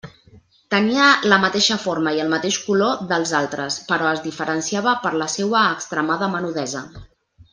Tenia la mateixa forma i el mateix color dels altres, però es diferenciava per la seua extremada menudesa.